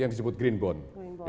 yang disebut green bond